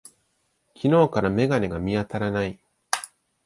昨日から眼鏡が見当たらない。